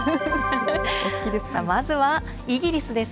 まずはイギリスです。